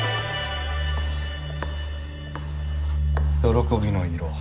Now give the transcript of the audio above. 「喜び」の色？